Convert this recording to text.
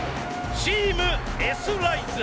チームＳライズ。